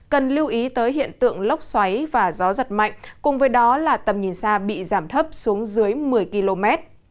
cần lưu ý tới hiện tượng lốc xoáy và gió giật mạnh cùng với đó là tầm nhìn xa bị giảm thấp xuống dưới một mươi km